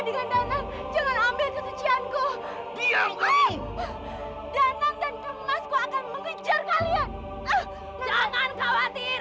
jika kamu tidak mau menikah dengan aku